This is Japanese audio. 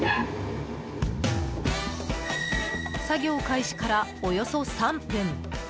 作業開始から、およそ３分。